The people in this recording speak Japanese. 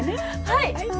はい！